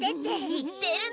言ってるのに！